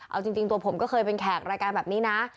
เอาจริงตัวผมก็เคยเป็นแขกรายการแบบนี้นะ